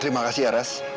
terima kasih aras